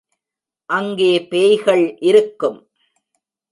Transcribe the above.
அங்கே பேய்கள் இருக்கும்.